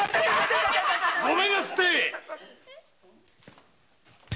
・ごめんなすって！